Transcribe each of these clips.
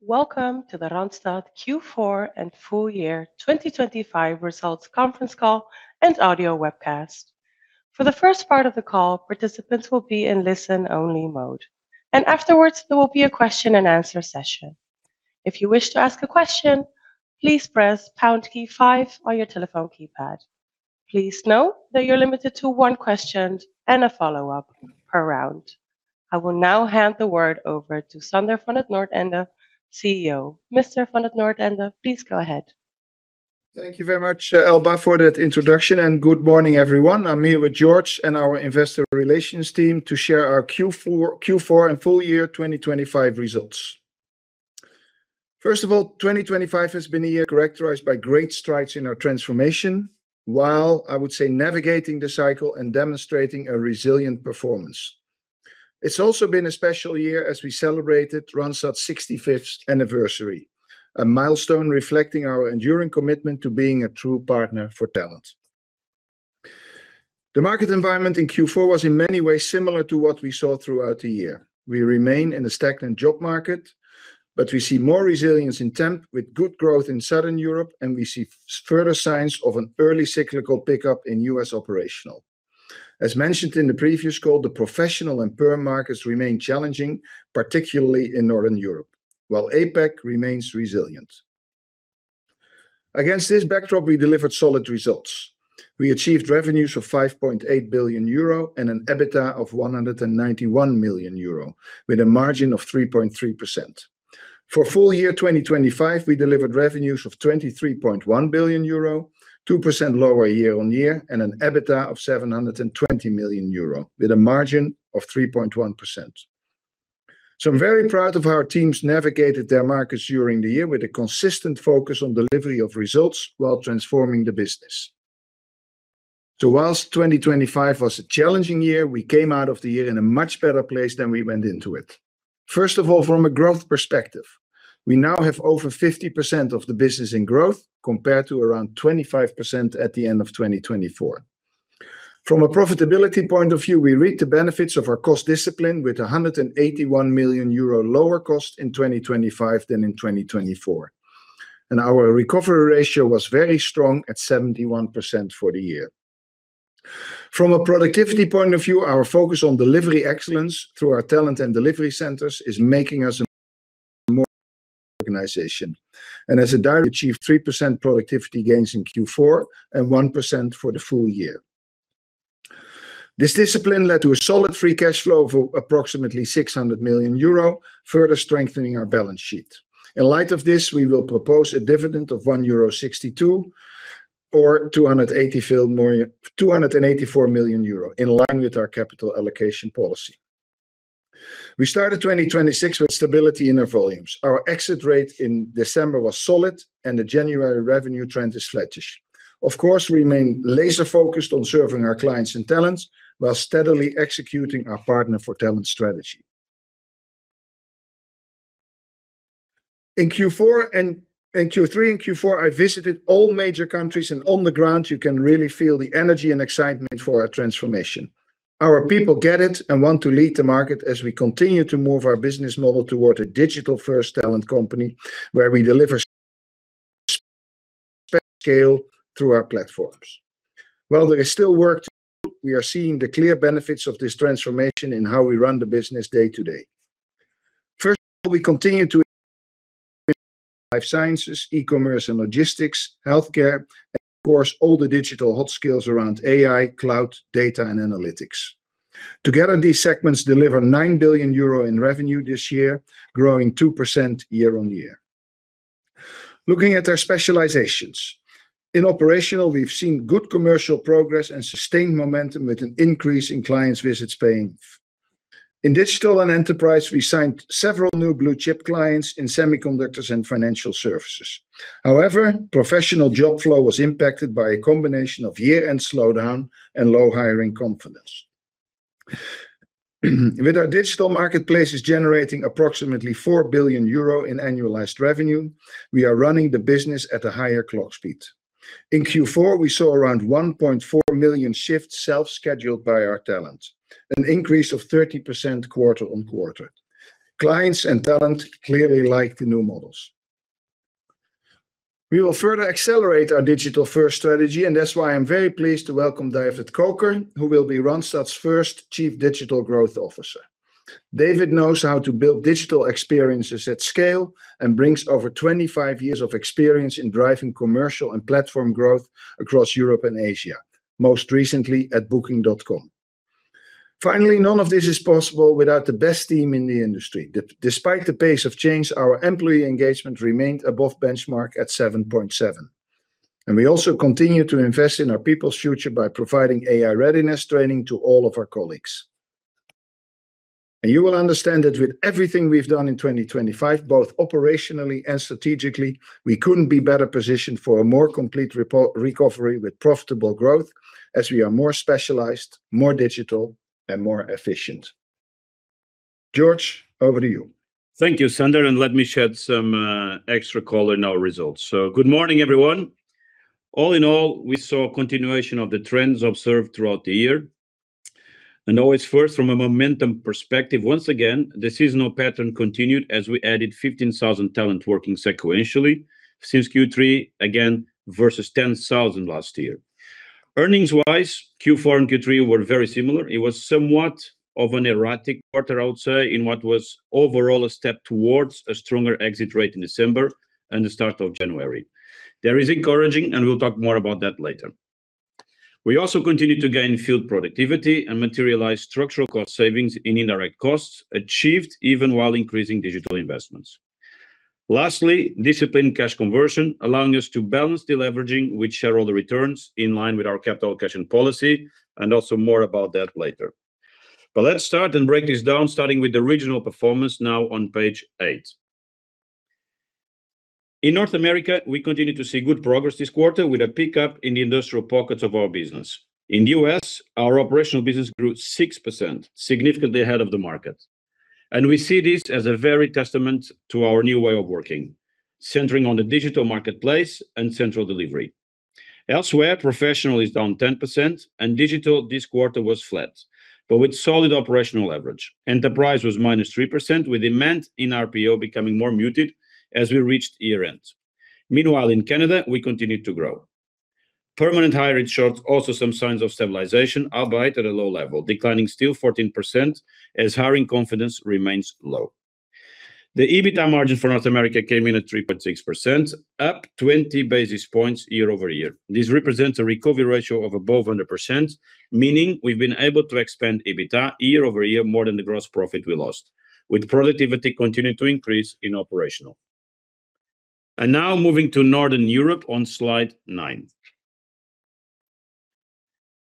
Welcome to the Randstad Q4 and full year 2025 results conference call and audio webcast. For the first part of the call, participants will be in listen-only mode, and afterwards there will be a question-and-answer session. If you wish to ask a question, please press pound key five on your telephone keypad. Please note that you're limited to one question and a follow-up per round. I will now hand the word over to Sander van 't Noordende, CEO. Mr. van 't Noordende, please go ahead. Thank you very much, Elba, for that introduction, and good morning everyone. I'm here with Jorge and our investor relations team to share our Q4 and full year 2025 results. First of all, 2025 has been a year characterized by great strides in our transformation, while I would say navigating the cycle and demonstrating a resilient performance. It's also been a special year as we celebrated Randstad's 65th anniversary, a milestone reflecting our enduring commitment to being a true partner for talent. The market environment in Q4 was in many ways similar to what we saw throughout the year. We remain in a stagnant job market, but we see more resilience in temp with good growth in Southern Europe, and we see further signs of an early cyclical pickup in U.S. operations. As mentioned in the previous call, the professional and perm markets remain challenging, particularly in Northern Europe, while APAC remains resilient. Against this backdrop, we delivered solid results. We achieved revenues of 5.8 billion euro and an EBITDA of 191 million euro, with a margin of 3.3%. For full year 2025, we delivered revenues of 23.1 billion euro, 2% lower year-over-year, and an EBITDA of 720 million euro, with a margin of 3.1%. I'm very proud of how our teams navigated their markets during the year with a consistent focus on delivery of results while transforming the business. Whilst 2025 was a challenging year, we came out of the year in a much better place than we went into it. First of all, from a growth perspective, we now have over 50% of the business in growth compared to around 25% at the end of 2024. From a profitability point of view, we reap the benefits of our cost discipline with 181 million euro lower cost in 2025 than in 2024, and our recovery ratio was very strong at 71% for the year. From a productivity point of view, our focus on delivery excellence through our talent and delivery centers is making us a more effective organization. Randstad, we achieved 3% productivity gains in Q4 and 1% for the full year. This discipline led to a solid free cash flow of approximately 600 million euro, further strengthening our balance sheet. In light of this, we will propose a dividend of 1.62 euro or 284 million euro in line with our capital allocation policy. We started 2026 with stability in our volumes. Our exit rate in December was solid, and the January revenue trend is flatish. Of course, we remain laser-focused on serving our clients and talents while steadily executing our partner for talent strategy. In Q4 and Q3 and Q4, I visited all major countries, and on the ground, you can really feel the energy and excitement for our transformation. Our people get it and want to lead the market as we continue to move our business model toward a digital-first talent company where we deliver scale through our platforms. While there is still work to do, we are seeing the clear benefits of this transformation in how we run the business day to day. First of all, we continue to improve life sciences, e-commerce and logistics, healthcare, and of course, all the digital hot skills around AI, cloud, data, and analytics. Together, these segments deliver 9 billion euro in revenue this year, growing 2% year-over-year. Looking at our specializations in Operational, we've seen good commercial progress and sustained momentum with an increase in clients' visits paying off. In Digital and Enterprise we signed several new blue chip clients in semiconductors and financial services. However, professional job flow was impacted by a combination of year-end slowdown and low hiring confidence. With our digital marketplaces generating approximately 4 billion euro in annualized revenue, we are running the business at a higher clock speed. In Q4, we saw around 1.4 million shifts self-scheduled by our talent, an increase of 30% quarter-over-quarter. Clients and talent clearly liked the new models. We will further accelerate our digital-first strategy, and that's why I'm very pleased to welcome David Koker, who will be Randstad's first Chief Digital Growth Officer. David knows how to build digital experiences at scale and brings over 25 years of experience in driving commercial and platform growth across Europe and Asia, most recently at Booking.com. Finally, none of this is possible without the best team in the industry. Despite the pace of change, our employee engagement remained above benchmark at 7.7, and we also continue to invest in our people's future by providing AI readiness training to all of our colleagues. You will understand that with everything we've done in 2025, both operationally and strategically, we couldn't be better positioned for a more complete recovery with profitable growth as we are more specialized, more digital, and more efficient. Jorge, over to you. Thank you, Sander, and let me shed some extra color on our results. Good morning, everyone. All in all, we saw a continuation of the trends observed throughout the year. Always first, from a momentum perspective, once again, the seasonal pattern continued as we added 15,000 talent working sequentially since Q3, again versus 10,000 last year. Earnings-wise, Q4 and Q3 were very similar. It was somewhat of an erratic quarter, I would say, in what was overall a step towards a stronger exit rate in December and the start of January. There is encouraging, and we'll talk more about that later. We also continued to gain field productivity and materialize structural cost savings in indirect costs achieved even while increasing digital investments. Lastly, disciplined cash conversion allowing us to balance the leveraging with shareholder returns in line with our capital allocation policy, and also more about that later. Let's start and break this down, starting with the regional performance now on page eight. In North America, we continue to see good progress this quarter with a pickup in the industrial pockets of our business. In the U.S., our Operational business grew 6%, significantly ahead of the market. And we see this as a very testament to our new way of working, centering on the digital marketplace and central delivery. Elsewhere, Professional is down 10%, and Digital this quarter was flat but with solid operational leverage. Enterprise was -3%, with demand in RPO becoming more muted as we reached year-end. Meanwhile, in Canada, we continue to grow. Permanent hybrids showed also some signs of stabilization, albeit at a low level, declining still 14% as hiring confidence remains low. The EBITDA margin for North America came in at 3.6%, up 20 basis points year-over-year. This represents a recovery ratio of above 100%, meaning we've been able to expand EBITDA year-over-year more than the gross profit we lost, with productivity continuing to increase in Operational. Now moving to Northern Europe on slide nine.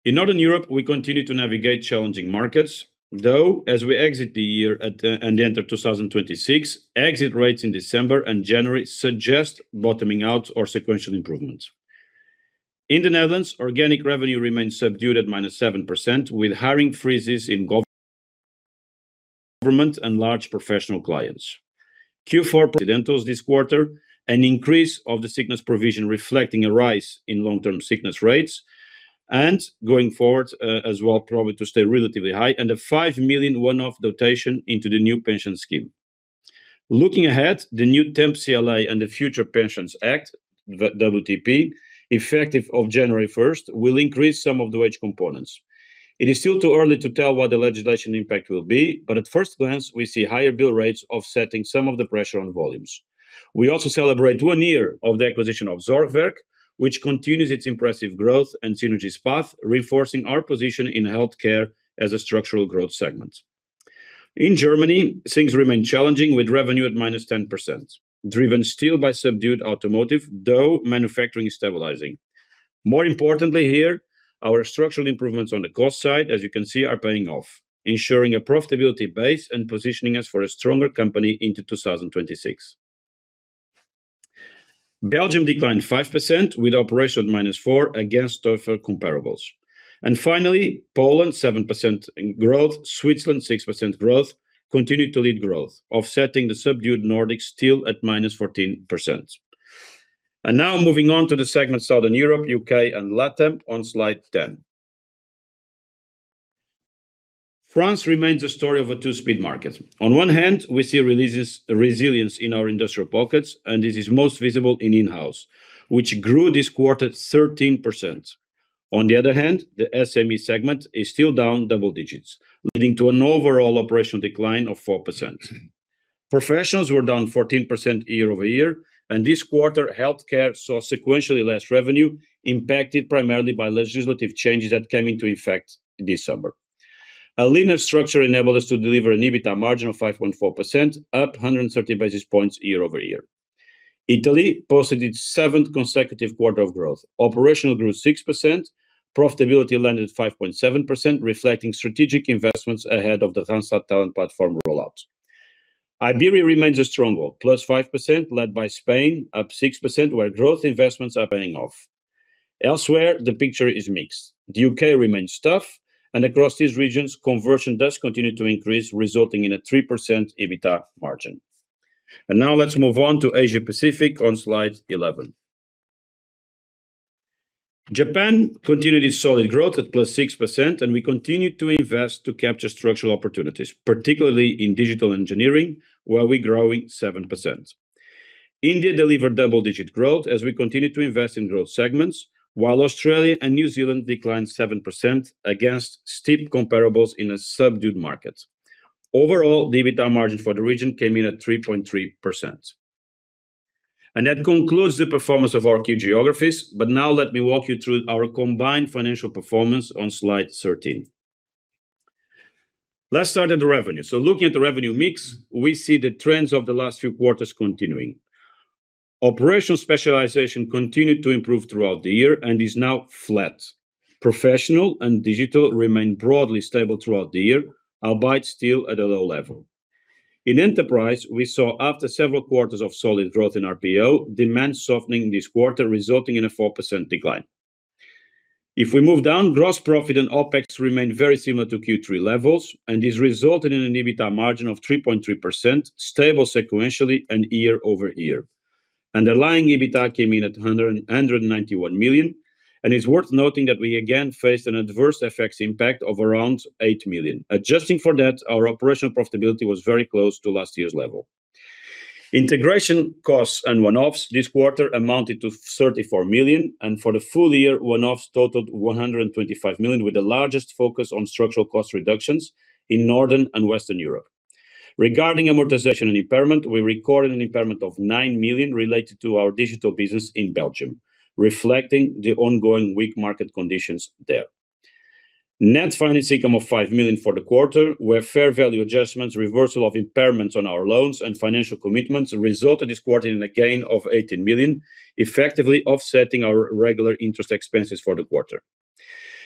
In Northern Europe, we continue to navigate challenging markets, though as we exit the year and enter 2026, exit rates in December and January suggest bottoming out or sequential improvements. In the Netherlands, organic revenue remains subdued at -7%, with hiring freezes in government and large professional clients. Q4. Provisions this quarter, an increase of the sickness provision reflecting a rise in long-term sickness rates, and going forward as well probably to stay relatively high, and a 5 million one-off dotation into the new pension scheme. Looking ahead, the new Temp CLA and the Future Pensions Act (WTP) effective of January 1st will increase some of the wage components. It is still too early to tell what the legislation impact will be, but at first glance, we see higher bill rates offsetting some of the pressure on volumes. We also celebrate one year of the acquisition of Zorgwerk, which continues its impressive growth and synergy path, reinforcing our position in healthcare as a structural growth segment. In Germany, things remain challenging with revenue at -10%, driven still by subdued automotive, though manufacturing is stabilizing. More importantly here, our structural improvements on the cost side, as you can see, are paying off, ensuring a profitability base and positioning us for a stronger company into 2026. Belgium declined 5% with operations at -4% against tougher comparables. Finally, Poland 7% growth, Switzerland 6% growth, continue to lead growth, offsetting the subdued Nordics still at -14%. Now moving on to the segments Southern Europe, UK, and LATAM on slide 10. France remains a story of a two-speed market. On one hand, we see resilience in our industrial pockets, and this is most visible in in-house, which grew this quarter 13%. On the other hand, the SME segment is still down double digits, leading to an overall operational decline of 4%. Professionals were down 14% year-over-year, and this quarter healthcare saw sequentially less revenue, impacted primarily by legislative changes that came into effect this summer. A leaner structure enabled us to deliver an EBITDA margin of 5.4%, up 130 basis points year-over-year. Italy posted its seventh consecutive quarter of growth. Operational grew 6%, profitability landed at 5.7%, reflecting strategic investments ahead of the Randstad Talent Platform rollout. Iberia remains a stronghold, +5%, led by Spain, up 6%, where growth investments are paying off. Elsewhere, the picture is mixed. The UK remains tough, and across these regions, conversion does continue to increase, resulting in a 3% EBITDA margin. Now let's move on to Asia-Pacific on slide 11. Japan continued its solid growth at +6%, and we continue to invest to capture structural opportunities, particularly in digital engineering, where we are growing 7%. India delivered double-digit growth as we continue to invest in growth segments, while Australia and New Zealand declined 7% against steep comparables in a subdued market. Overall, the EBITDA margin for the region came in at 3.3%. That concludes the performance of our key geographies, but now let me walk you through our combined financial performance on slide 13. Let's start at the revenue. So looking at the revenue mix, we see the trends of the last few quarters continuing. Operational specialization continued to improve throughout the year and is now flat. Professional and Digital remain broadly stable throughout the year, albeit still at a low level. In Enterprise, we saw, after several quarters of solid growth in RPO, demand softening this quarter, resulting in a 4% decline. If we move down, gross profit and OpEx remained very similar to Q3 levels, and this resulted in an EBITDA margin of 3.3%, stable sequentially and year-over-year. Underlying EBITDA came in at 191 million, and it is worth noting that we again faced an adverse FX impact of around 8 million. Adjusting for that, our operational profitability was very close to last year's level. Integration costs and one-offs this quarter amounted to 34 million, and for the full year, one-offs totaled 125 million, with the largest focus on structural cost reductions in Northern and Western Europe. Regarding amortization and impairment, we recorded an impairment of 9 million related to our Digital business in Belgium, reflecting the ongoing weak market conditions there. Net finance income of 5 million for the quarter, where fair value adjustments, reversal of impairments on our loans, and financial commitments resulted this quarter in a gain of 18 million, effectively offsetting our regular interest expenses for the quarter.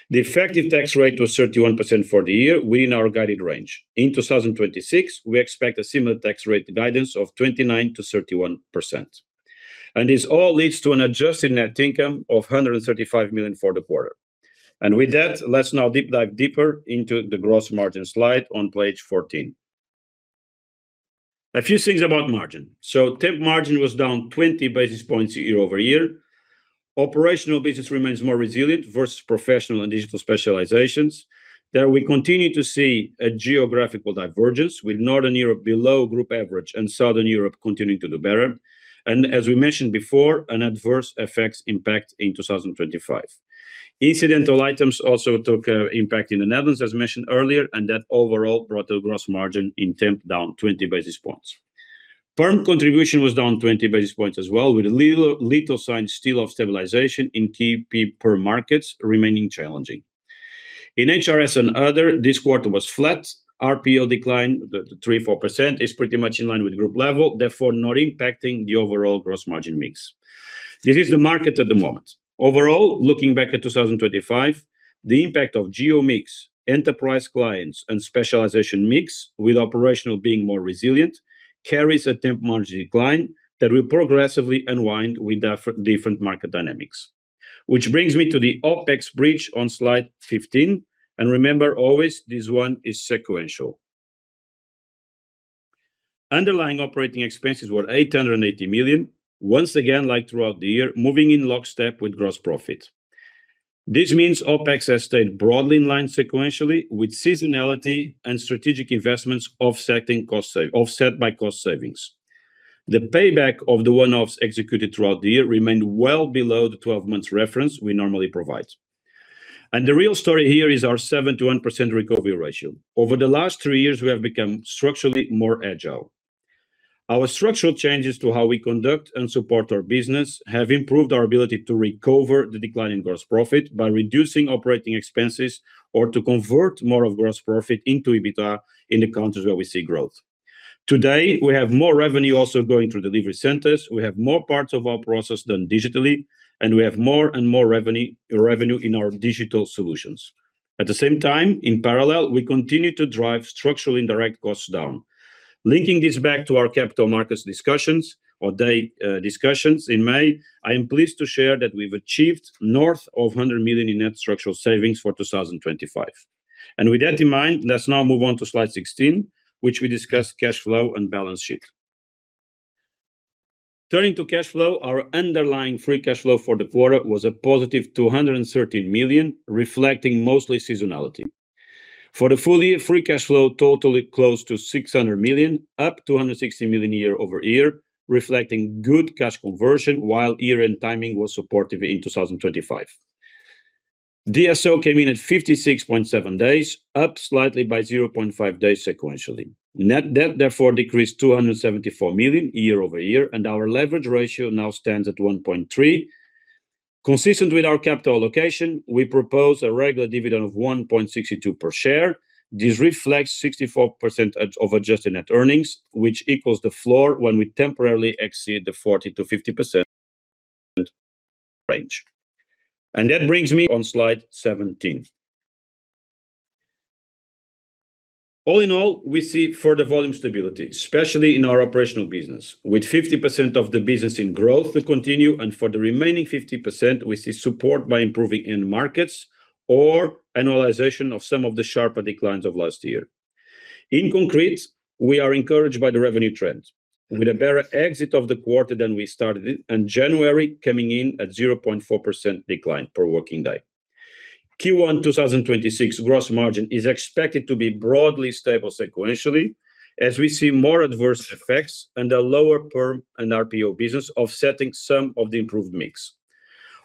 The effective tax rate was 31% for the year, within our guided range. In 2026, we expect a similar tax rate guidance of 29%-31%. And this all leads to an adjusted net income of 135 million for the quarter. And with that, let's now deep dive deeper into the gross margin slide on page 14. A few things about margin. So Temp margin was down 20 basis points year-over-year. Operational business remains more resilient versus Professional and Digital specializations. There we continue to see a geographical divergence, with Northern Europe below group average and Southern Europe continuing to do better. As we mentioned before, an adverse FX impact in 2025. Incidental items also took an impact in the Netherlands, as mentioned earlier, and that overall brought the gross margin in Temp down 20 basis points. Perm contribution was down 20 basis points as well, with a little sign still of stabilization in key perm markets remaining challenging. In HRS and other, this quarter was flat. RPO decline, the 3%-4%, is pretty much in line with group level, therefore not impacting the overall gross margin mix. This is the market at the moment. Overall, looking back at 2025, the impact of geo mix, Enterprise clients, and specialization mix, with Operational being more resilient, carries a temp margin decline that will progressively unwind with different market dynamics. Which brings me to the OpEx bridge on slide 15, and remember always, this one is sequential. Underlying operating expenses were 880 million, once again like throughout the year, moving in lockstep with gross profit. This means OpEx has stayed broadly in line sequentially, with seasonality and strategic investments offset by cost savings. The payback of the one-offs executed throughout the year remained well below the 12-month reference we normally provide. And the real story here is our 71% recovery ratio. Over the last three years, we have become structurally more agile. Our structural changes to how we conduct and support our business have improved our ability to recover the declining gross profit by reducing operating expenses or to convert more of gross profit into EBITDA in the countries where we see growth. Today, we have more revenue also going through delivery centers, we have more parts of our process done digitally, and we have more and more revenue in our digital solutions. At the same time, in parallel, we continue to drive structural indirect costs down. Linking this back to our Capital Markets discussions or Day discussions in May, I am pleased to share that we have achieved north of 100 million in net structural savings for 2025. And with that in mind, let's now move on to slide 16, which we discuss cash flow and balance sheet. Turning to cash flow, our underlying free cash flow for the quarter was a positive 213 million, reflecting mostly seasonality. For the full year, free cash flow totally closed to 600 million, up 260 million year-over-year, reflecting good cash conversion while year-end timing was supportive in 2025. DSO came in at 56.7 days, up slightly by 0.5 days sequentially. Net debt, therefore, decreased 274 million year-over-year, and our leverage ratio now stands at 1.3%. Consistent with our capital allocation, we propose a regular dividend of 1.62 per share. This reflects 64% of adjusted net earnings, which equals the floor when we temporarily exceed the 40%-50% range. That brings me on slide 17. All in all, we see further volume stability, especially in our Operational business, with 50% of the business in growth to continue, and for the remaining 50%, we see support by improving end markets or annualization of some of the sharper declines of last year. In concrete, we are encouraged by the revenue trend, with a better exit of the quarter than we started it and January coming in at 0.4% decline per working day. Q1 2026 gross margin is expected to be broadly stable sequentially, as we see more adverse FX and a lower Perm and RPO business offsetting some of the improved mix.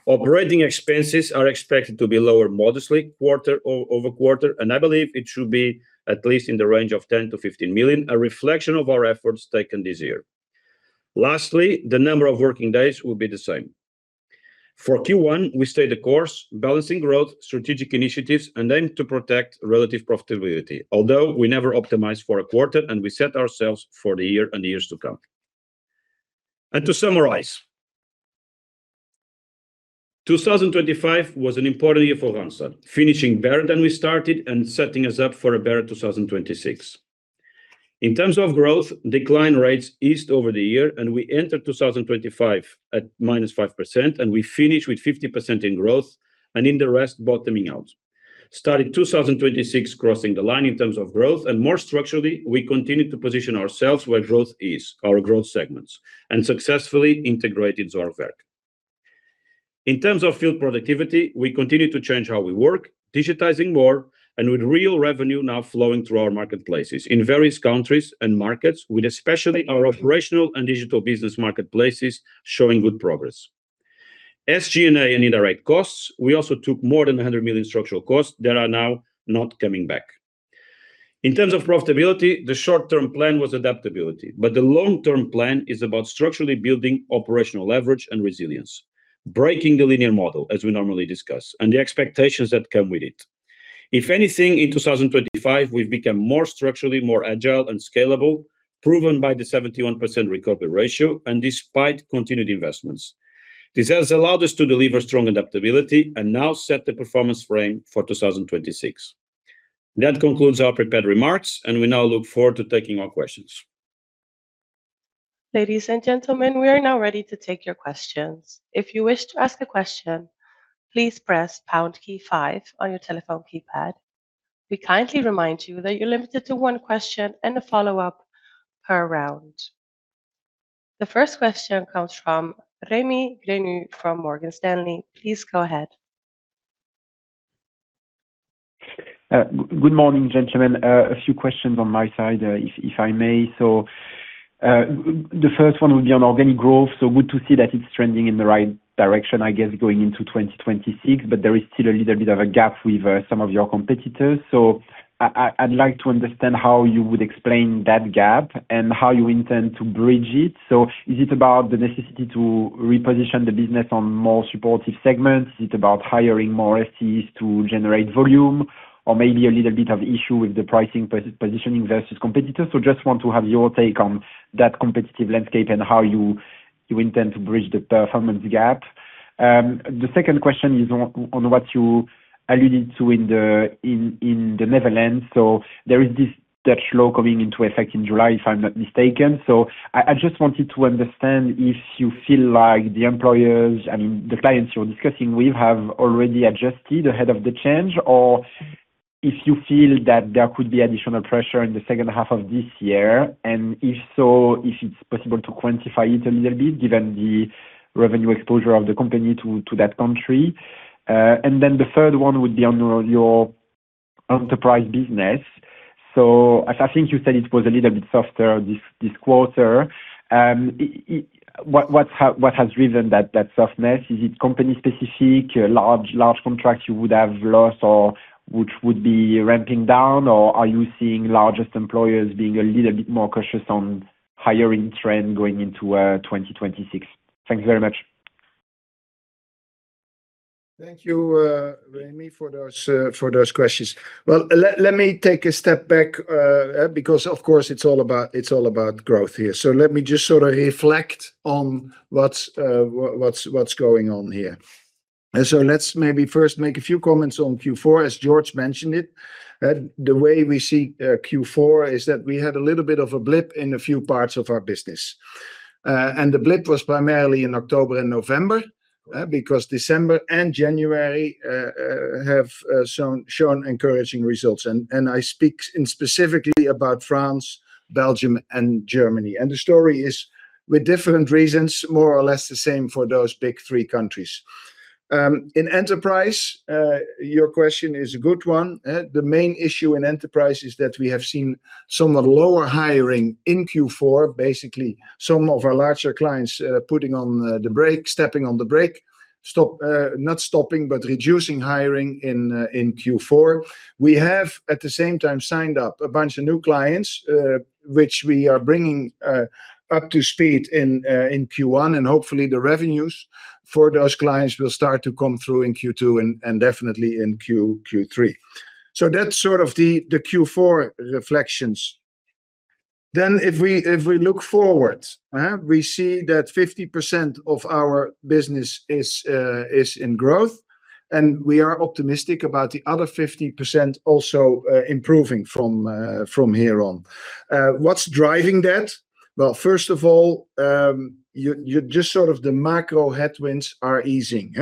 Operating expenses are expected to be lower modestly quarter-over-quarter, and I believe it should be at least in the range of 10 million-15 million, a reflection of our efforts taken this year. Lastly, the number of working days will be the same. For Q1, we stay the course, balancing growth, strategic initiatives, and aim to protect relative profitability, although we never optimize for a quarter and we set ourselves for the year and years to come. To summarize, 2025 was an important year for Randstad, finishing better than we started and setting us up for a better 2026. In terms of growth, decline rates eased over the year, and we entered 2025 at -5%, and we finished with 50% in growth and in the rest bottoming out. Started 2026 crossing the line in terms of growth, and more structurally, we continued to position ourselves where growth is, our growth segments, and successfully integrated Zorgwerk. In terms of field productivity, we continue to change how we work, digitizing more, and with real revenue now flowing through our marketplaces in various countries and markets, with especially our Operational and Digital business marketplaces showing good progress. As G&A and indirect costs, we also took more than 100 million structural costs that are now not coming back. In terms of profitability, the short-term plan was adaptability, but the long-term plan is about structurally building operational leverage and resilience, breaking the linear model, as we normally discuss, and the expectations that come with it. If anything, in 2025, we have become more structurally, more agile, and scalable, proven by the 71% recovery ratio and despite continued investments. This has allowed us to deliver strong adaptability and now set the performance frame for 2026. That concludes our prepared remarks, and we now look forward to taking all questions. Ladies and gentlemen, we are now ready to take your questions. If you wish to ask a question, please press pound key five on your telephone keypad. We kindly remind you that you are limited to one question and a follow-up per round. The first question comes from Rémi Grenu from Morgan Stanley. Please go ahead. Good morning, gentlemen. A few questions on my side, if I may. So the first one would be on organic growth. So good to see that it's trending in the right direction, I guess, going into 2026, but there is still a little bit of a gap with some of your competitors. So I'd like to understand how you would explain that gap and how you intend to bridge it. So is it about the necessity to reposition the business on more supportive segments? Is it about hiring more SEs to generate volume, or maybe a little bit of issue with the pricing positioning versus competitors? So just want to have your take on that competitive landscape and how you intend to bridge the performance gap. The second question is on what you alluded to in the Netherlands. So there is this Dutch law coming into effect in July, if I'm not mistaken. So I just wanted to understand if you feel like the employers, I mean, the clients you're discussing with, have already adjusted ahead of the change, or if you feel that there could be additional pressure in the second half of this year. And if so, if it's possible to quantify it a little bit, given the revenue exposure of the company to that country. And then the third one would be on your Enterprise business. So I think you said it was a little bit softer this quarter. What has driven that softness? Is it company-specific, large contracts you would have lost or which would be ramping down, or are you seeing largest employers being a little bit more cautious on hiring trend going into 2026? Thanks very much. Thank you, Rémi, for those questions. Well, let me take a step back because, of course, it's all about growth here. So let me just sort of reflect on what's going on here. So let's maybe first make a few comments on Q4. As Jorge mentioned it, the way we see Q4 is that we had a little bit of a blip in a few parts of our business. And the blip was primarily in October and November because December and January have shown encouraging results. And I speak specifically about France, Belgium, and Germany. And the story is, with different reasons, more or less the same for those big three countries. In Enterprise, your question is a good one. The main issue in Enterprise is that we have seen somewhat lower hiring in Q4, basically some of our larger clients putting on the brake, stepping on the brake, not stopping, but reducing hiring in Q4. We have, at the same time, signed up a bunch of new clients, which we are bringing up to speed in Q1, and hopefully, the revenues for those clients will start to come through in Q2 and definitely in Q3. So that's sort of the Q4 reflections. Then, if we look forward, we see that 50% of our business is in growth, and we are optimistic about the other 50% also improving from here on. What's driving that? Well, first of all, just sort of the macro headwinds are easing.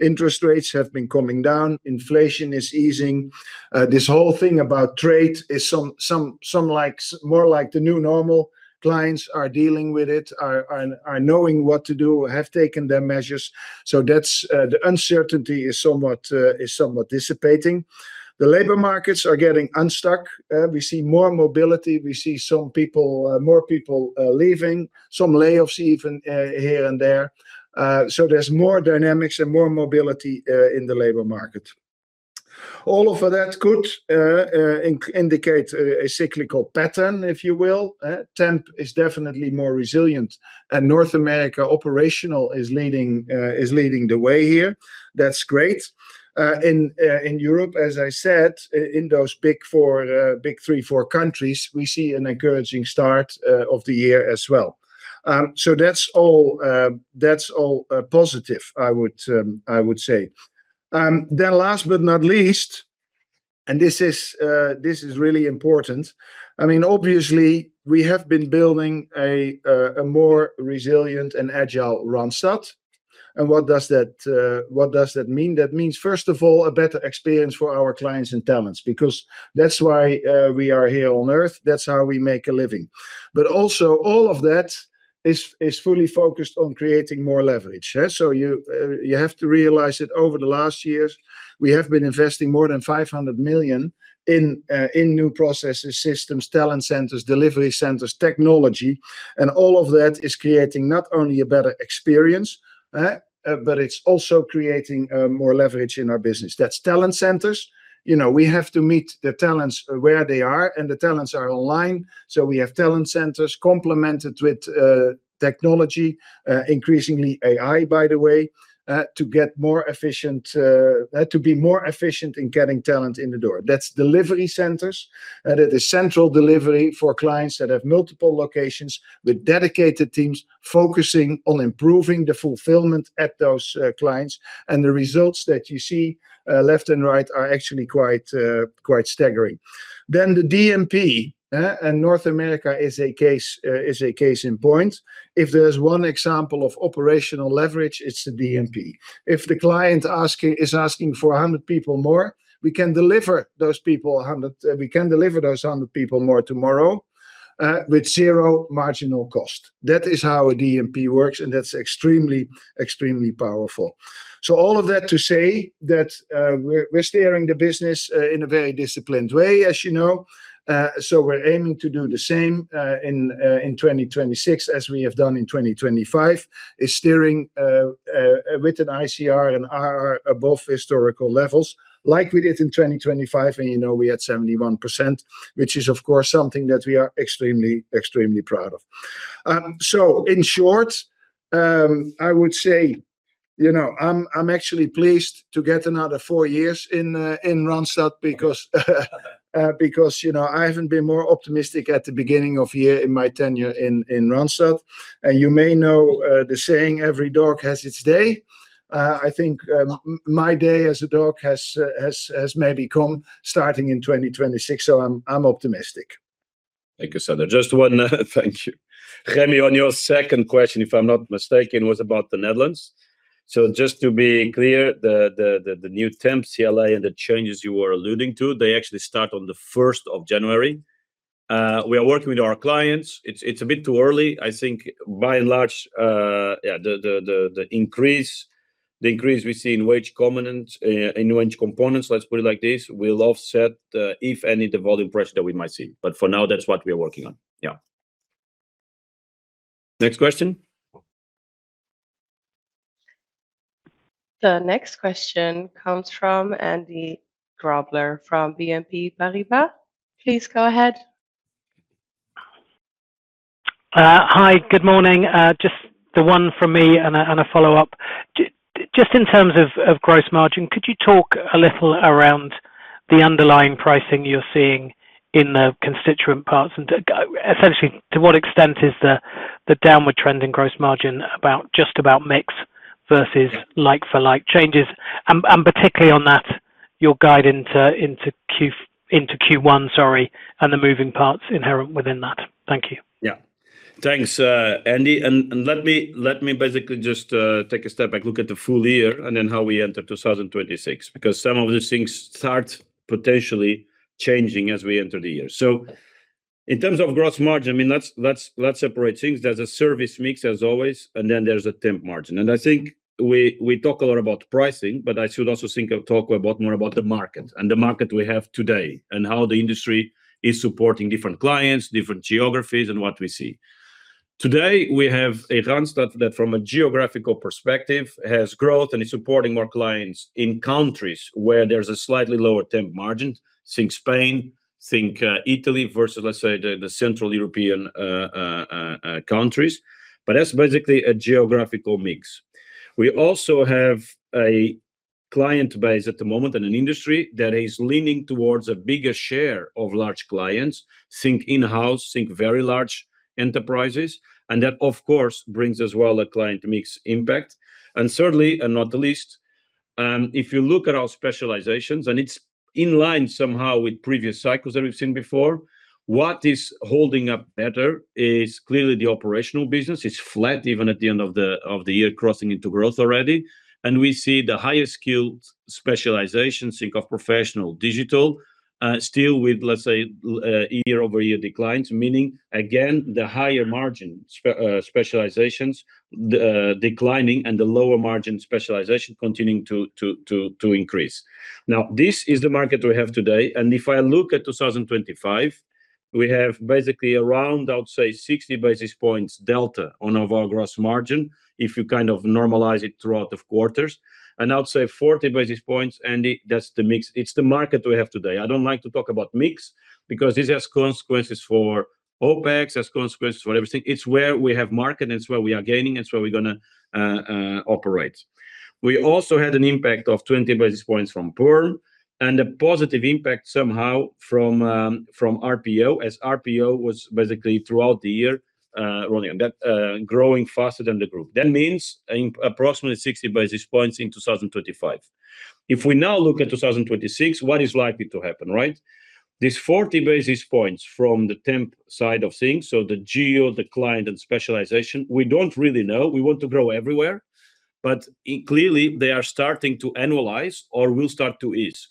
Interest rates have been coming down, inflation is easing. This whole thing about trade is more like the new normal. Clients are dealing with it, are knowing what to do, have taken their measures. So the uncertainty is somewhat dissipating. The labor markets are getting unstuck. We see more mobility. We see more people leaving, some layoffs even here and there. So there's more dynamics and more mobility in the labor market. All of that could indicate a cyclical pattern, if you will. Temp is definitely more resilient, and North America operational is leading the way here. That's great. In Europe, as I said, in those big three, four countries, we see an encouraging start of the year as well. So that's all positive, I would say. Then, last but not least, and this is really important, I mean, obviously, we have been building a more resilient and agile Randstad. And what does that mean? That means, first of all, a better experience for our clients and talents because that's why we are here on Earth. That's how we make a living. But also, all of that is fully focused on creating more leverage. So you have to realize that over the last years, we have been investing more than 500 million in new processes, systems, talent centers, delivery centers, technology. And all of that is creating not only a better experience, but it's also creating more leverage in our business. That's talent centers. We have to meet the talents where they are, and the talents are online. So we have talent centers complemented with technology, increasingly AI, by the way, to be more efficient in getting talent in the door. That's delivery centers. That is central delivery for clients that have multiple locations with dedicated teams focusing on improving the fulfillment at those clients. The results that you see left and right are actually quite staggering. The DMP, and North America is a case in point. If there's one example of operational leverage, it's the DMP. If the client is asking for 100 people more, we can deliver those 100 people more tomorrow with zero marginal cost. That is how a DMP works, and that's extremely, extremely powerful. So all of that to say that we're steering the business in a very disciplined way, as you know. So we're aiming to do the same in 2026 as we have done in 2025, is steering with an ICR and RR above historical levels, like we did in 2025, and we had 71%, which is, of course, something that we are extremely, extremely proud of. In short, I would say I'm actually pleased to get another four years in Randstad because I haven't been more optimistic at the beginning of the year in my tenure in Randstad. You may know the saying, "Every dog has its day." I think my day as a dog has maybe come starting in 2026, so I'm optimistic. Thank you, Sander. Just one thank you. Rémi, on your second question, if I'm not mistaken, was about the Netherlands. So just to be clear, the new Temp, CLA, and the changes you were alluding to, they actually start on the 1st of January. We are working with our clients. It's a bit too early. I think, by and large, the increase we see in wage components, let's put it like this, will offset, if any, the volume pressure that we might see. But for now, that's what we are working on. Yeah. Next question. The next question comes from Andy Grobler from BNP Paribas. Please go ahead. Hi. Good morning. Just the one from me and a follow-up. Just in terms of gross margin, could you talk a little around the underlying pricing you're seeing in the constituent parts? And essentially, to what extent is the downward trend in gross margin just about mix versus like-for-like changes? And particularly on that, your guide into Q1, sorry, and the moving parts inherent within that. Thank you. Yeah. Thanks, Andy. Let me basically just take a step back, look at the full year and then how we enter 2026 because some of these things start potentially changing as we enter the year. In terms of gross margin, I mean, let's separate things. There's a service mix, as always, and then there's a temp margin. I think we talk a lot about pricing, but I should also talk more about the market and the market we have today and how the industry is supporting different clients, different geographies, and what we see. Today, we have a Randstad that, from a geographical perspective, has growth and is supporting more clients in countries where there's a slightly lower temp margin. Think Spain, think Italy versus, let's say, the Central European countries. But that's basically a geographical mix. We also have a client base at the moment and an industry that is leaning towards a bigger share of large clients. Think in-house, think very large enterprises. That, of course, brings as well a client mix impact. Certainly, and not the least, if you look at our specializations, and it's in line somehow with previous cycles that we've seen before, what is holding up better is clearly the Operational business. It's flat even at the end of the year, crossing into growth already. We see the higher-skilled specializations, think of Professional, Digital, still with, let's say, year-over-year declines, meaning, again, the higher margin specializations declining and the lower margin specialization continuing to increase. Now, this is the market we have today. If I look at 2025, we have basically around, I would say, 60 basis points delta on our gross margin if you kind of normalize it throughout the quarters. I would say 40 basis points, Andy, that's the mix. It's the market we have today. I don't like to talk about mix because this has consequences for OpEx, has consequences for everything. It's where we have market, and it's where we are gaining, and it's where we're going to operate. We also had an impact of 20 basis points from Perm and a positive impact somehow from RPO, as RPO was basically throughout the year growing faster than the group. That means approximately 60 basis points in 2025. If we now look at 2026, what is likely to happen, right? These 40 basis points from the temp side of things, so the geo, the client, and specialization, we don't really know. We want to grow everywhere. But clearly, they are starting to annualize or will start to ease.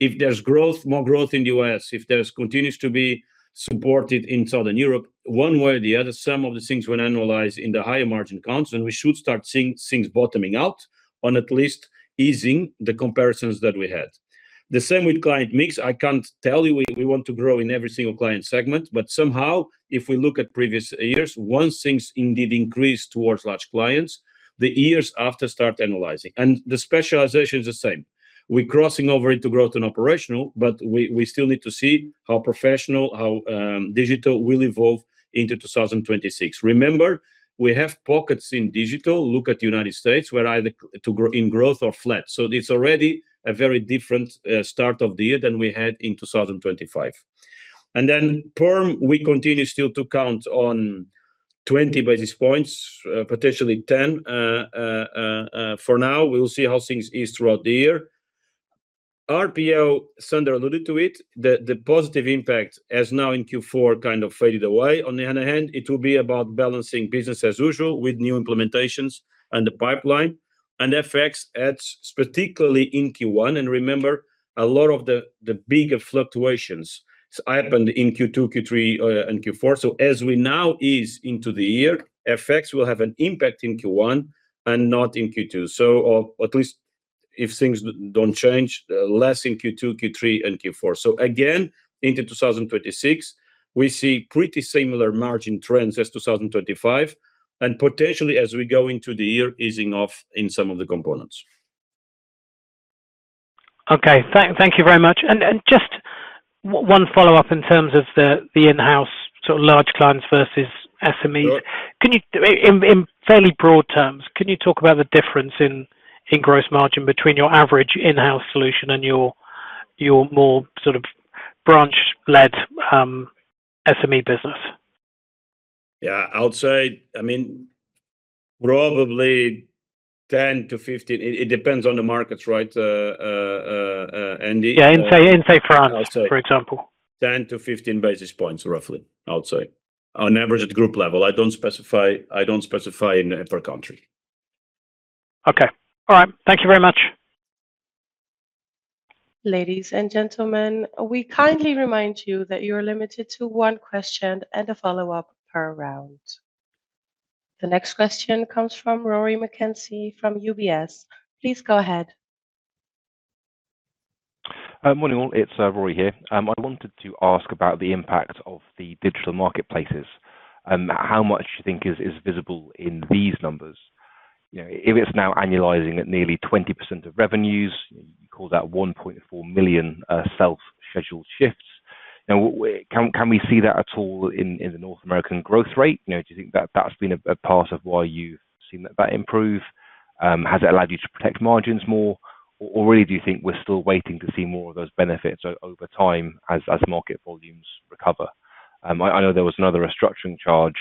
If there's more growth in the U.S., if there continues to be support in Southern Europe, one way or the other, some of the things will annualize in the higher margin counts, and we should start seeing things bottoming out on at least easing the comparisons that we had. The same with client mix. I can't tell you we want to grow in every single client segment, but somehow, if we look at previous years, once things indeed increase towards large clients, the years after start annualizing. And the specialization is the same. We're crossing over into growth and operational, but we still need to see how Professional, how Digital will evolve into 2026. Remember, we have pockets in Digital. Look at the United States, we're either in growth or flat. So it's already a very different start of the year than we had in 2025. And then Perm, we continue still to count on 20 basis points, potentially 10 for now. We'll see how things ease throughout the year. RPO, Sander alluded to it. The positive impact has now in Q4 kind of faded away. On the other hand, it will be about balancing business as usual with new implementations and the pipeline. And FX, particularly in Q1. And remember, a lot of the bigger fluctuations happened in Q2, Q3, and Q4. So as we now ease into the year, FX will have an impact in Q1 and not in Q2, so at least if things don't change, less in Q2, Q3, and Q4. So again, into 2026, we see pretty similar margin trends as 2025 and potentially, as we go into the year, easing off in some of the components. Okay. Thank you very much. Just one follow-up in terms of the in-house sort of large clients versus SMEs. In fairly broad terms, can you talk about the difference in gross margin between your average in-house solution and your more sort of branch-led SME business? Yeah. I would say, I mean, probably 10-15. It depends on the markets, right, Andy? Yeah. Say France, for example. 10-15 basis points, roughly, I would say, on average at group level. I don't specify per country. Okay. All right. Thank you very much. Ladies and gentlemen, we kindly remind you that you are limited to one question and a follow-up per round. The next question comes from Rory McKenzie from UBS. Please go ahead. Morning all. It's Rory here. I wanted to ask about the impact of the digital marketplaces. How much do you think is visible in these numbers? If it's now annualizing at nearly 20% of revenues, you call that 1.4 million self-scheduled shifts. Now, can we see that at all in the North American growth rate? Do you think that that's been a part of why you've seen that improve? Has it allowed you to protect margins more? Or really, do you think we're still waiting to see more of those benefits over time as market volumes recover? I know there was another restructuring charge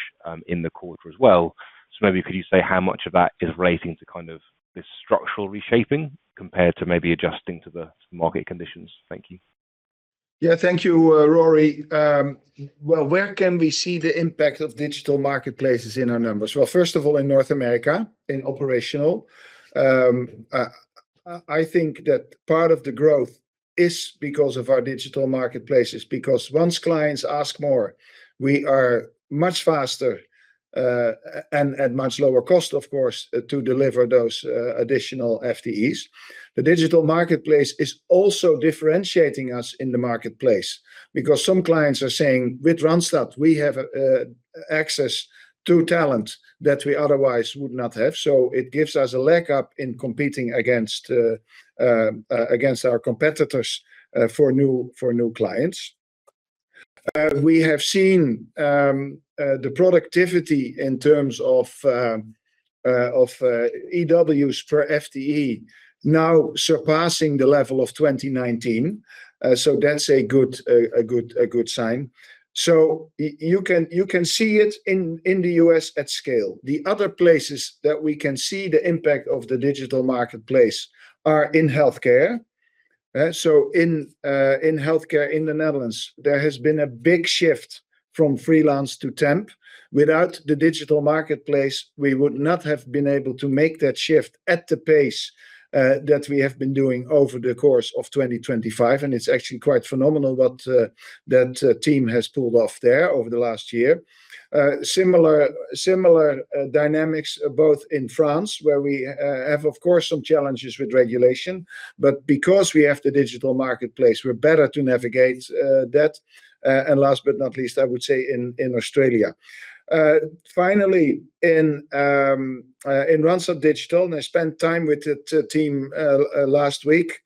in the quarter as well. So maybe could you say how much of that is relating to kind of this structural reshaping compared to maybe adjusting to the market conditions? Thank you. Yeah. Thank you, Rory. Well, where can we see the impact of digital marketplaces in our numbers? Well, first of all, in North America, in operational. I think that part of the growth is because of our digital marketplaces, because once clients ask more, we are much faster and at much lower cost, of course, to deliver those additional FTEs. The digital marketplace is also differentiating us in the marketplace because some clients are saying, "With Randstad, we have access to talent that we otherwise would not have." So it gives us a leg up in competing against our competitors for new clients. We have seen the productivity in terms of EWs per FTE now surpassing the level of 2019. So that's a good sign. So you can see it in the U.S. at scale. The other places that we can see the impact of the digital marketplace are in healthcare. So in healthcare in the Netherlands, there has been a big shift from freelance to temp. Without the digital marketplace, we would not have been able to make that shift at the pace that we have been doing over the course of 2025. It's actually quite phenomenal what that team has pulled off there over the last year. Similar dynamics both in France, where we have, of course, some challenges with regulation, but because we have the digital marketplace, we're better to navigate that. Last but not least, I would say in Australia. Finally, in Randstad Digital, and I spent time with the team last week,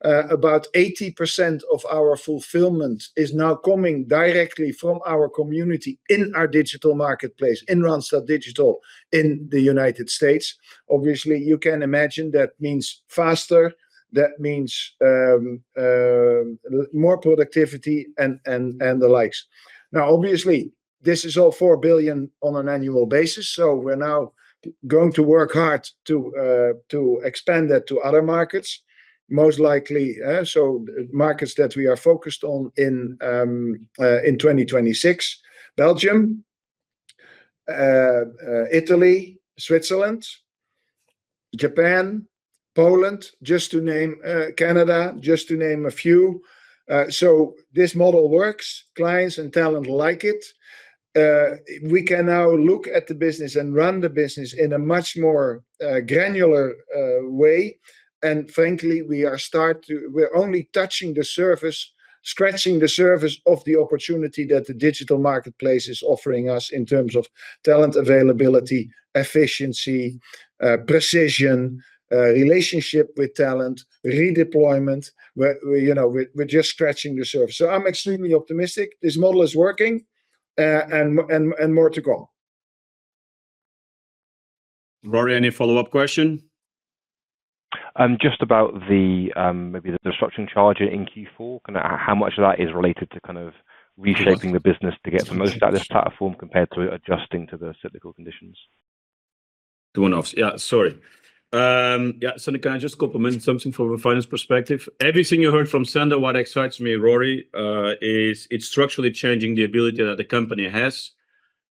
about 80% of our fulfillment is now coming directly from our community in our digital marketplace, in Randstad Digital in the United States. Obviously, you can imagine that means faster. That means more productivity and the likes. Now, obviously, this is all 4 billion on an annual basis, so we're now going to work hard to expand that to other markets, most likely. So markets that we are focused on in 2026: Belgium, Italy, Switzerland, Japan, Poland, just to name, Canada, just to name a few. So this model works. Clients and talent like it. We can now look at the business and run the business in a much more granular way. And frankly, we are only touching the surface, scratching the surface of the opportunity that the digital marketplace is offering us in terms of talent availability, efficiency, precision, relationship with talent, redeployment. We're just scratching the surface. So I'm extremely optimistic this model is working and more to come. Rory, any follow-up question? Just about maybe the restructuring charge in Q4, kind of how much of that is related to kind of reshaping the business to get the most out of this platform compared to adjusting to the cyclical conditions? The one-offs. Yeah. Sorry. Yeah. Sander, can I just comment on something from a finance perspective? Everything you heard from Sander, what excites me, Rory, is it's structurally changing the ability that the company has,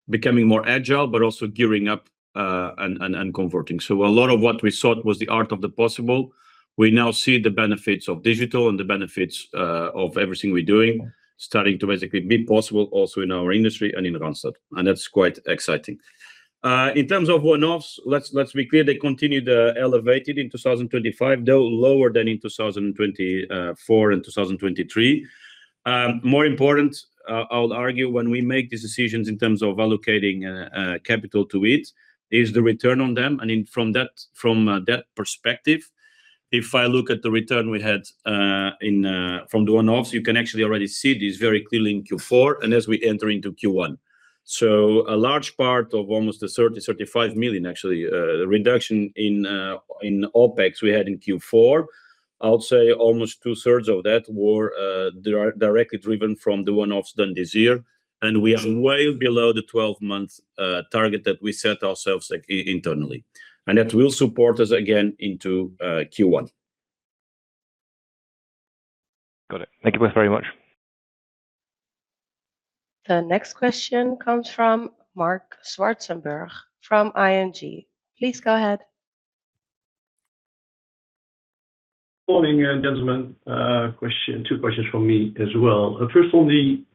becoming more agile, but also gearing up and converting. So a lot of what we thought was the art of the possible, we now see the benefits of Digital and the benefits of everything we're doing, starting to basically be possible also in our industry and in Randstad. And that's quite exciting. In terms of one-offs, let's be clear, they continued elevated in 2025, though lower than in 2024 and 2023. More important, I would argue, when we make these decisions in terms of allocating capital to it, is the return on them. From that perspective, if I look at the return we had from the one-offs, you can actually already see this very clearly in Q4 and as we enter into Q1. A large part of almost the 30 million-35 million, actually, reduction in OpEx we had in Q4, I would say almost 2/3 of that were directly driven from the one-offs done this year. We are way below the 12-month target that we set ourselves internally. That will support us again into Q1. Got it. Thank you both very much. The next question comes from Marc Zwartsenburg from ING. Please go ahead. Morning, gentlemen. Two questions from me as well. First, on the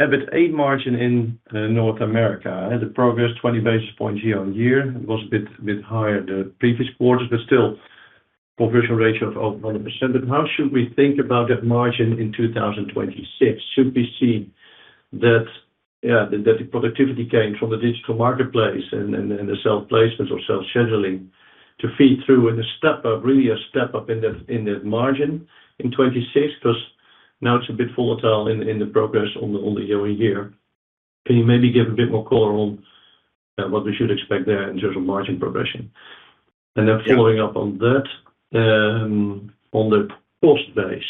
EBITDA margin in North America, the progress 20 basis points year-on-year. It was a bit higher the previous quarters, but still conversion ratio of over 100%. But how should we think about that margin in 2026? Should we see that the productivity came from the digital marketplace and the self-placement or self-scheduling to feed through and really a step up in that margin in 2026 because now it's a bit volatile in the progress on the year-on-year? Can you maybe give a bit more color on what we should expect there in terms of margin progression? And then following up on that, on the cost base,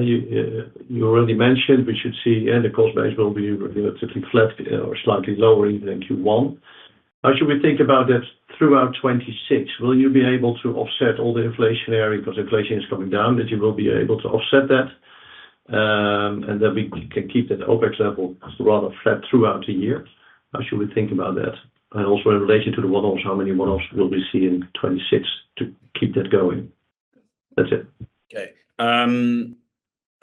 you already mentioned we should see the cost base will be relatively flat or slightly lowering than Q1. How should we think about that throughout 2026? Will you be able to offset all the inflationary because inflation is coming down, that you will be able to offset that and that we can keep that OpEx level rather flat throughout the year? How should we think about that? Also in relation to the one-offs, how many one-offs will we see in 2026 to keep that going? That's it. Okay.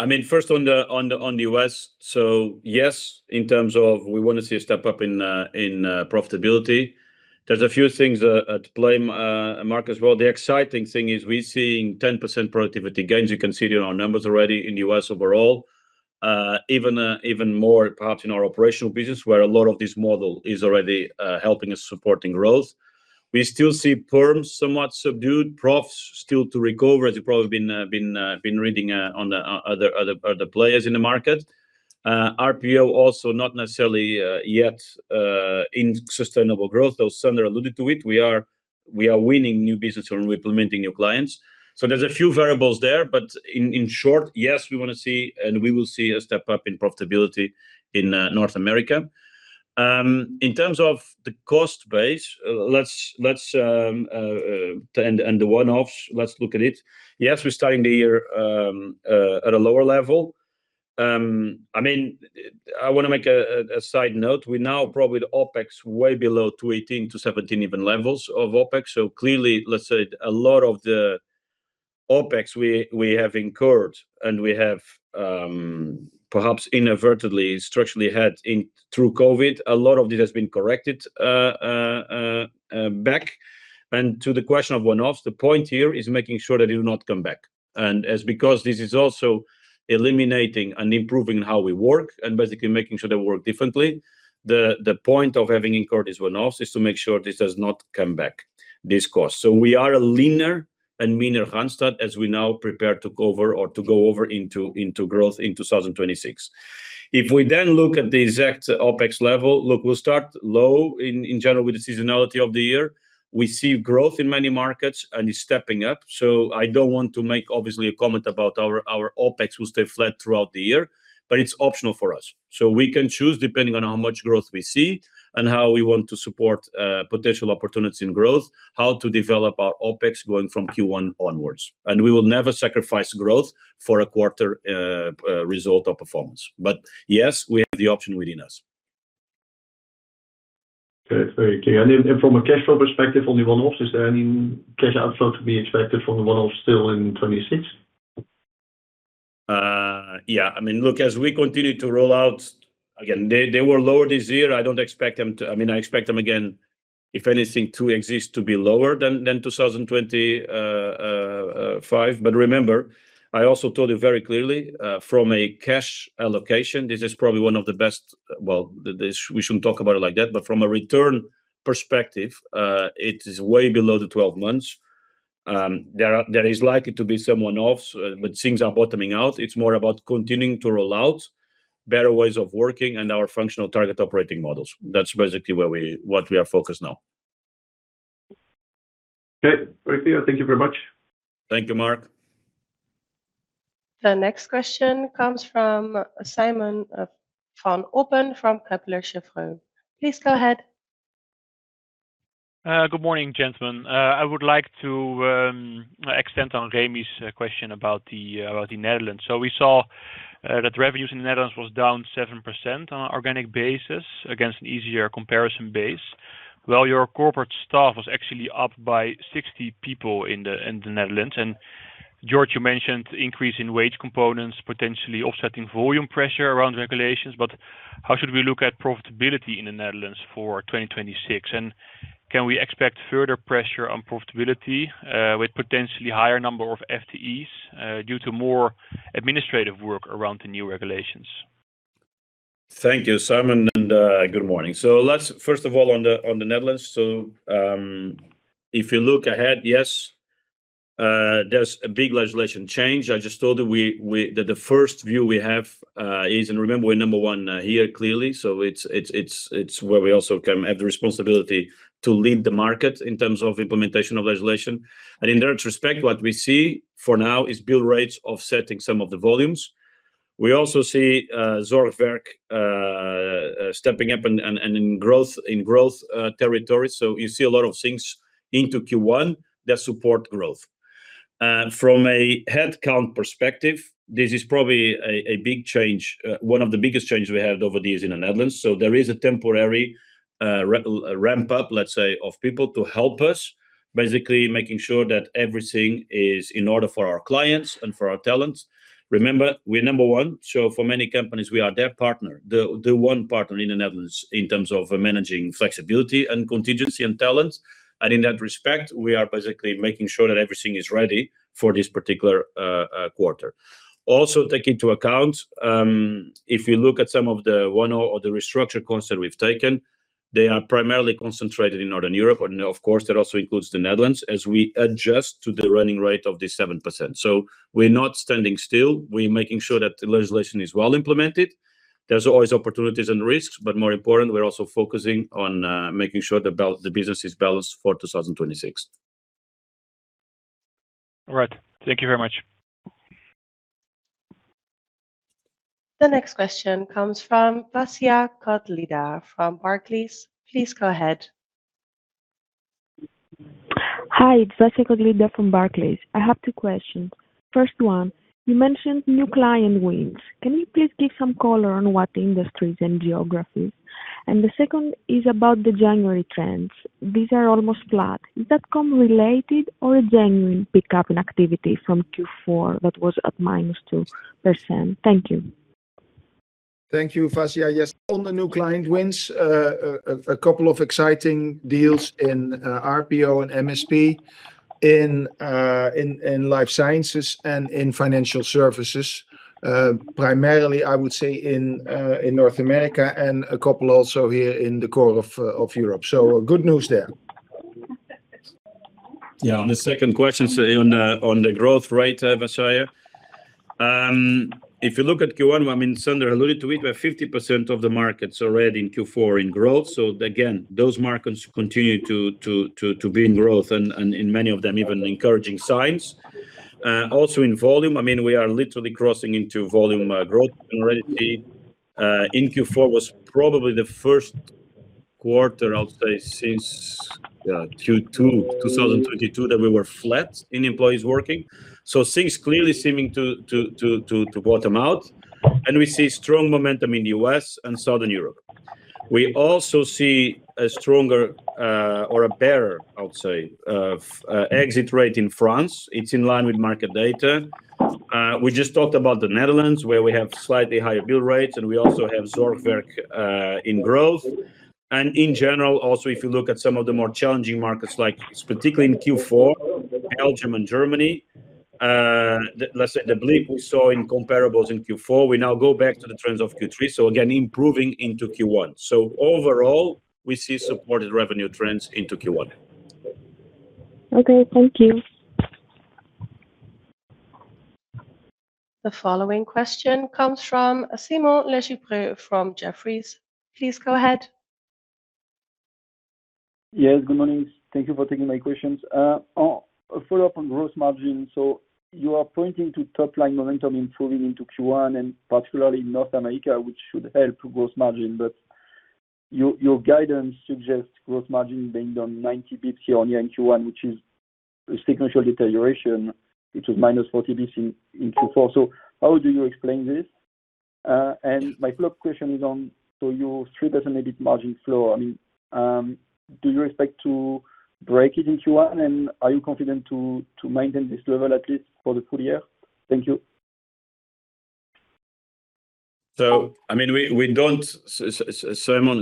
I mean, first, on the U.S., so yes, in terms of we want to see a step up in profitability. There's a few things at play, Marc, as well. The exciting thing is we're seeing 10% productivity gains. You can see it in our numbers already in the U.S. overall, even more, perhaps, in our Operational business where a lot of this model is already helping us support growth. We still see perms somewhat subdued, profs still to recover, as you've probably been reading on the other players in the market. RPO also not necessarily yet in sustainable growth, though Sander alluded to it. We are winning new businesses and implementing new clients. So there's a few variables there. But in short, yes, we want to see and we will see a step up in profitability in North America. In terms of the cost base and the one-offs, let's look at it. Yes, we're starting the year at a lower level. I mean, I want to make a side note. We're now probably the OpEx way below 218-217 even levels of OpEx. So clearly, let's say, a lot of the OpEx we have incurred and we have perhaps inadvertently structurally had through COVID, a lot of this has been corrected back. And to the question of one-offs, the point here is making sure that it does not come back. And because this is also eliminating and improving how we work and basically making sure that we work differently, the point of having incurred these one-offs is to make sure this does not come back, this cost. So we are a leaner and meaner Randstad as we now prepare to cover or to go over into growth in 2026. If we then look at the exact OpEx level, look, we'll start low in general with the seasonality of the year. We see growth in many markets and it's stepping up. So I don't want to make, obviously, a comment about our OpEx will stay flat throughout the year, but it's optional for us. So we can choose depending on how much growth we see and how we want to support potential opportunities in growth, how to develop our OpEx going from Q1 onwards. And we will never sacrifice growth for a quarter result or performance. But yes, we have the option within us. Okay. Very clear. And from a cash flow perspective, only one-offs, is there any cash outflow to be expected from the one-offs still in 2026? Yeah. I mean, look, as we continue to roll out, again, they were lower this year. I don't expect them to, I mean, I expect them, again, if anything, to be expected to be lower than 2025. But remember, I also told you very clearly, from a cash allocation, this is probably one of the best, well, we shouldn't talk about it like that, but from a return perspective, it is way below the 12 months. There is likely to be some one-offs, but things are bottoming out. It's more about continuing to roll out, better ways of working, and our functional target operating models. That's basically what we are focused on now. Okay. Very clear. Thank you very much. Thank you, Marc. The next question comes from Simon van Oppen from Kepler Cheuvreux. Please go ahead. Good morning, gentlemen. I would like to extend on Rémi's question about the Netherlands. So we saw that revenues in the Netherlands was down 7% on an organic basis against an easier comparison base. While your corporate staff was actually up by 60 people in the Netherlands. And Jorge, you mentioned increase in wage components, potentially offsetting volume pressure around regulations. But how should we look at profitability in the Netherlands for 2026? And can we expect further pressure on profitability with potentially higher number of FTEs due to more administrative work around the new regulations? Thank you, Simon. Good morning. First of all, on the Netherlands, if you look ahead, yes, there's a big legislation change. I just told you that the first view we have is, and remember, we're number one here clearly. So it's where we also have the responsibility to lead the market in terms of implementation of legislation. And in that respect, what we see for now is bill rates offsetting some of the volumes. We also see Zorgwerk stepping up in growth territories. So you see a lot of things into Q1 that support growth. From a headcount perspective, this is probably a big change, one of the biggest changes we had over the years in the Netherlands. So there is a temporary ramp-up, let's say, of people to help us, basically making sure that everything is in order for our clients and for our talents. Remember, we're number one. So for many companies, we are their partner, the one partner in the Netherlands in terms of managing flexibility and contingency and talents. And in that respect, we are basically making sure that everything is ready for this particular quarter. Also take into account, if you look at some of the one-off or the restructure concept we've taken, they are primarily concentrated in Northern Europe, and of course, that also includes the Netherlands as we adjust to the running rate of this 7%. So we're not standing still. We're making sure that the legislation is well implemented. There's always opportunities and risks, but more important, we're also focusing on making sure that the business is balanced for 2026. All right. Thank you very much. The next question comes from Vasia Kotlida from Barclays. Please go ahead. Hi, it's Vasia Kotlida from Barclays. I have two questions. First one, you mentioned new client wins. Can you please give some color on what industries and geographies? And the second is about the January trends. These are almost flat. Is that comp-related or a genuine pickup in activity from Q4 that was at -2%? Thank you. Thank you, Vasia. Yes. On the new client wins, a couple of exciting deals in RPO and MSP in life sciences and in financial services, primarily, I would say, in North America and a couple also here in the core of Europe. So good news there. Yeah. On the second question, on the growth rate, Vasia, if you look at Q1, I mean, Sander alluded to it, we're 50% of the markets already in Q4 in growth. So again, those markets continue to be in growth and in many of them even encouraging signs. Also in volume, I mean, we are literally crossing into volume growth already. In Q4 was probably the first quarter, I would say, since Q2, 2022, that we were flat in employees working. So things clearly seeming to bottom out. And we see strong momentum in the U.S. and Southern Europe. We also see a stronger or a better, I would say, exit rate in France. It's in line with market data. We just talked about the Netherlands where we have slightly higher bill rates, and we also have Zorgwerk in growth. In general, also, if you look at some of the more challenging markets, particularly in Q4, Belgium and Germany, let's say, the blip we saw in comparables in Q4, we now go back to the trends of Q3. So again, improving into Q1. So overall, we see supported revenue trends into Q1. Okay. Thank you. The following question comes from Simon Lechipre from Jefferies. Please go ahead. Yes. Good morning. Thank you for taking my questions. A follow-up on gross margin. So you are pointing to top-line momentum improving into Q1 and particularly North America, which should help gross margin. But your guidance suggests gross margin being down 90 basis points year-on-year in Q1, which is a significant deterioration. It was -40 basis points in Q4. So how do you explain this? And my follow-up question is on, so your 3% EBIT margin floor. I mean, do you expect to break it in Q1, and are you confident to maintain this level at least for the full year? Thank you. So I mean, we don't, Simon,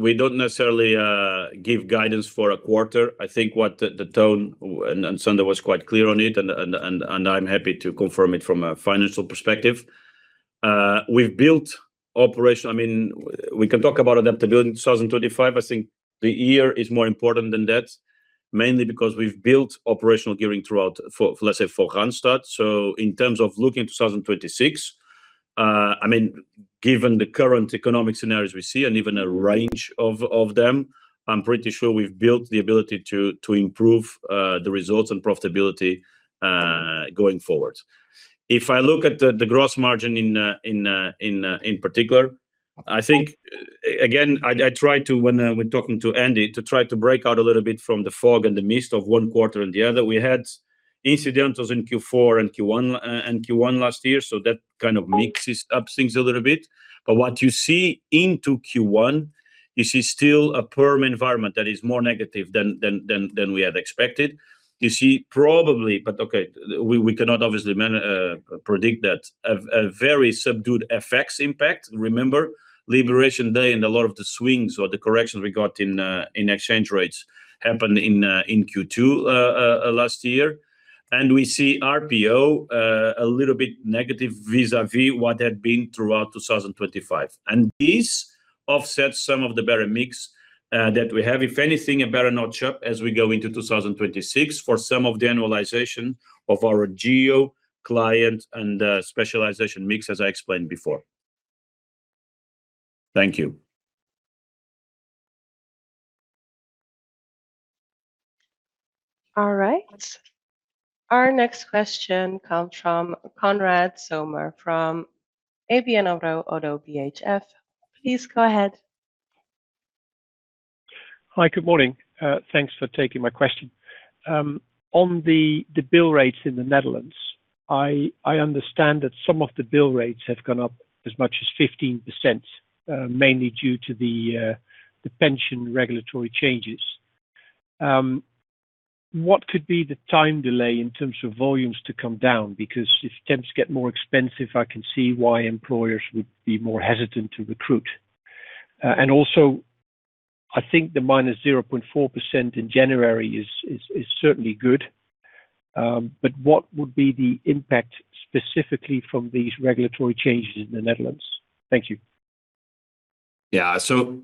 we don't necessarily give guidance for a quarter. I think what the tone and Sander was quite clear on it, and I'm happy to confirm it from a financial perspective. We've built Operational, I mean, we can talk about adaptability in 2025. I think the year is more important than that, mainly because we've built Operational gearing throughout, let's say, for Randstad. So in terms of looking at 2026, I mean, given the current economic scenarios we see and even a range of them, I'm pretty sure we've built the ability to improve the results and profitability going forward. If I look at the gross margin in particular, I think, again, I try to, when talking to Andy, to try to break out a little bit from the fog and the mist of one quarter and the other. We had incidentals in Q4 and Q1 last year, so that kind of mixes up things a little bit. But what you see into Q1, you see still a perm environment that is more negative than we had expected. You see probably, but okay, we cannot obviously predict that, a very subdued FX impact. Remember, Liberation Day and a lot of the swings or the corrections we got in exchange rates happened in Q2 last year. And we see RPO a little bit negative vis-à-vis what had been throughout 2025. And this offsets some of the better mix that we have, if anything, a better notch up as we go into 2026 for some of the annualization of our geo, client and specialization mix, as I explained before. Thank you. All right. Our next question comes from Konrad Zomer from ABN AMRO, ODDO BHF. Please go ahead. Hi. Good morning. Thanks for taking my question. On the bill rates in the Netherlands, I understand that some of the bill rates have gone up as much as 15%, mainly due to the pension regulatory changes. What could be the time delay in terms of volumes to come down? Because if temps get more expensive, I can see why employers would be more hesitant to recruit. And also, I think the -0.4% in January is certainly good. But what would be the impact specifically from these regulatory changes in the Netherlands? Thank you. Yeah. So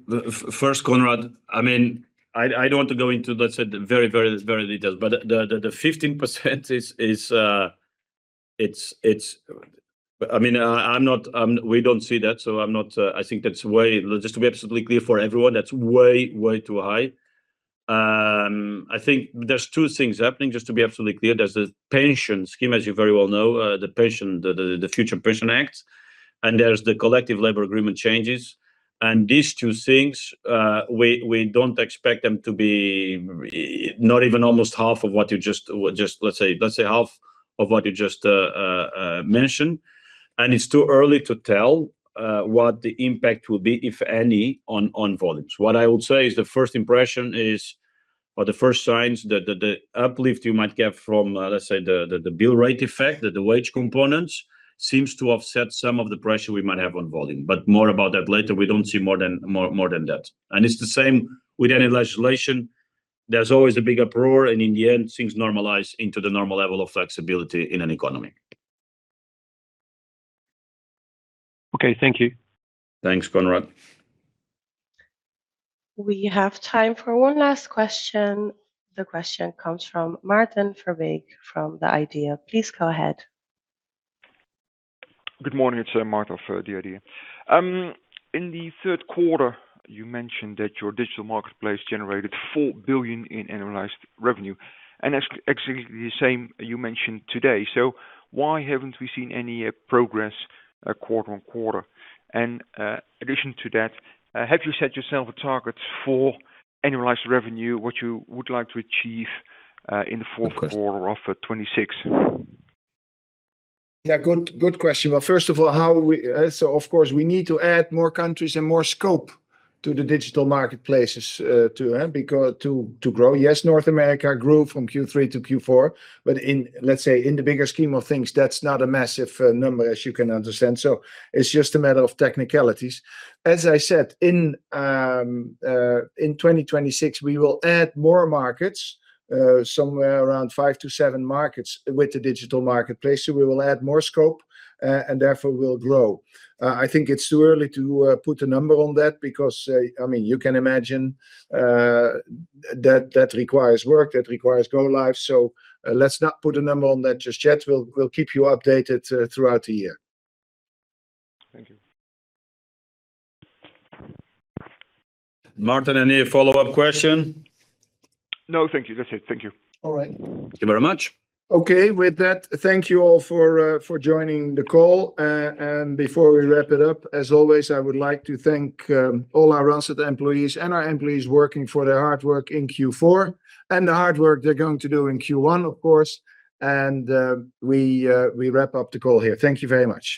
first, Konrad, I mean, I don't want to go into, let's say, the very, very, very details. But the 15% is, I mean, we don't see that, so I think that's way just to be absolutely clear for everyone, that's way, way too high. I think there's two things happening, just to be absolutely clear. There's the pension scheme, as you very well know, the Future Pension Act. And there's the collective labor agreement changes. And these two things, we don't expect them to be not even almost half of what you just let's say, half of what you just mentioned. And it's too early to tell what the impact will be, if any, on volumes. What I would say is the first impression is or the first signs, the uplift you might get from, let's say, the bill rate effect, the wage components, seems to offset some of the pressure we might have on volume. But more about that later. We don't see more than that. And it's the same with any legislation. There's always a big uproar, and in the end, things normalize into the normal level of flexibility in an economy. Okay. Thank you. Thanks, Konrad. We have time for one last question. The question comes from Maarten Verbeek from the IDEA!. Please go ahead. Good morning. It's Maarten of The Idea. In the third quarter, you mentioned that your digital marketplace generated 4 billion in annualized revenue, and exactly the same you mentioned today. So why haven't we seen any progress quarter-over-quarter? And in addition to that, have you set yourself a target for annualized revenue, what you would like to achieve in the fourth quarter of 2026? Yeah. Good question. Well, first of all, so of course, we need to add more countries and more scope to the digital marketplaces to grow. Yes, North America grew from Q3 to Q4. But let's say, in the bigger scheme of things, that's not a massive number, as you can understand. So it's just a matter of technicalities. As I said, in 2026, we will add more markets, somewhere around 5-7 markets with the digital marketplace. So we will add more scope, and therefore, we'll grow. I think it's too early to put a number on that because, I mean, you can imagine that that requires work. That requires go-live. So let's not put a number on that just yet. We'll keep you updated throughout the year. Thank you. Maarten and you, follow-up question? No, thank you. That's it. Thank you. All right. Thank you very much. Okay. With that, thank you all for joining the call. And before we wrap it up, as always, I would like to thank all our Randstad employees and our employees working for their hard work in Q4 and the hard work they're going to do in Q1, of course. And we wrap up the call here. Thank you very much.